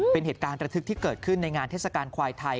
เป็นเหตุการณ์ระทึกที่เกิดขึ้นในงานเทศกาลควายไทย